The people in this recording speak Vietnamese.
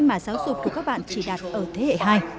mà giáo dục của các bạn chỉ đạt ở thế hệ hai